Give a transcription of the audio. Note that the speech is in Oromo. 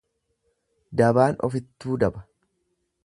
Dabaan ofittuu daba.